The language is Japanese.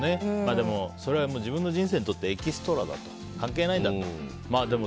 でも、それは自分の人生にとってエキストラだ、関係ないんだと。